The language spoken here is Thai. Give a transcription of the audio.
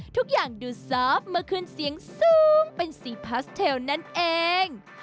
ทุกอย่างดูซอฟต์เมื่อคืนเสียงสูงเป็นสีพาสเทลนั่นเอง